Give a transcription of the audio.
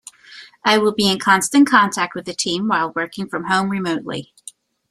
I will be in constant contact with the team while working from home remotely.